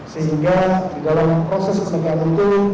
sehingga di dalam proses peningkatan itu